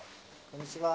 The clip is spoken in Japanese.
こんにちは。